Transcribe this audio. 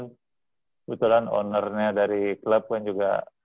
kebetulan owner nya dari klub kan juga